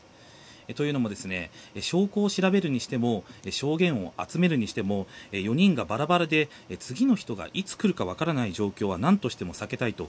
というのも証拠を調べるにしても証言を集めるにしても４人がバラバラで次の人がいつ来るか分からない状態は何としても避けたいと。